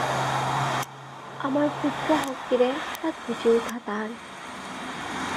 আমাৰ ক্ষুদ্ৰ শক্তিৰে তাক বুজি উঠা টান।